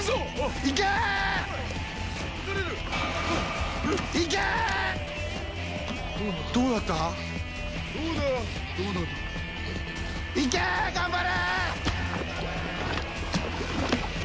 いけー、頑張れ！